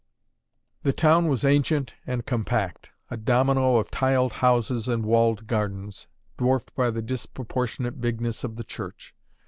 The town was ancient and compact: a domino of tiled houses and walled gardens, dwarfed by the disproportionate bigness of the church.